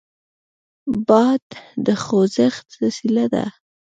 باد د خوځښت وسیله ده.